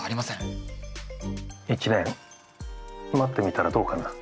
１年待ってみたらどうかな？